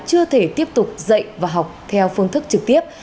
chưa thể tiếp tục dạy và học theo phương thức trực tiếp